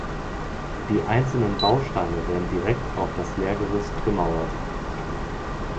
Die einzelnen Bausteine werden direkt auf das Lehrgerüst gemauert.